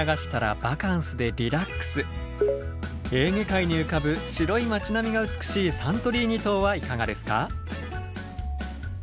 エーゲ海に浮かぶ白い町並みが美しいサントリーニ島はいかがですか？